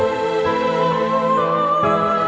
kangku mau rugby nam gak red